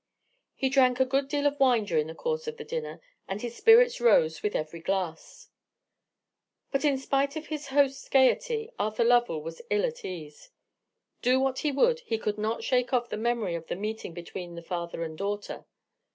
He drank a good deal of wine during the course of the dinner, and his spirits rose with every glass. But in spite of his host's gaiety, Arthur Lovell was ill at ease. Do what he would, he could not shake off the memory of the meeting between the father and daughter.